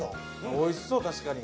おいしそう確かに。